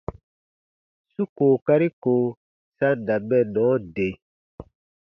Su kookari ko sa n da mɛnnɔ de.